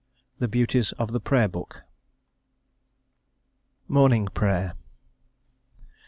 THE BEAUTIES OF THE PRAYER BOOK. MORNING PRAYER.